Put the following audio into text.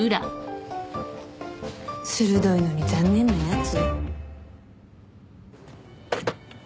鋭いのに残念なやつ。